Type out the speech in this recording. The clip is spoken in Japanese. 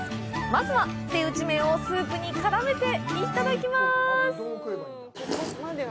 まずは手打ち麺をスープに絡めていただきます。